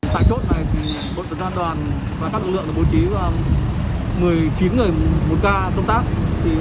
tại chốt này tổ chức gian đoàn và các lực lượng bố trí một mươi chín người một ca công tác